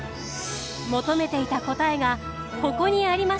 求めていた答えがここにありました。